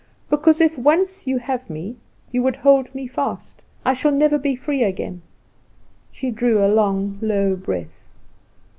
"Because if once you have me you would hold me fast. I shall never be free again." She drew a long, low breath.